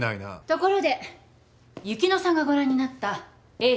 ところで雪乃さんがご覧になった栄治の暗号。